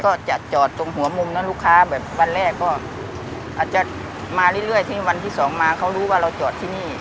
ก็จะจอดตรงหัวมุมแล้วลูกค้าแบบวันแรกก็อาจจะมาเรื่อยที่วันที่สองมาเขารู้ว่าเราจอดที่นี่